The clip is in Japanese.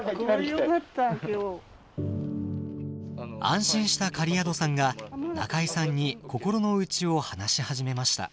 安心した苅宿さんが中井さんに心の内を話し始めました。